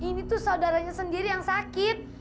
tapi pak ini tuh saudaranya sendiri yang sakit